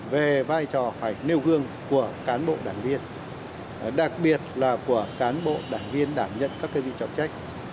về vai trò phải nêu gương của cán bộ đảng viên đặc biệt là của cán bộ đảng viên đảm nhận các vị trọng trách